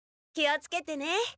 気をつけてね。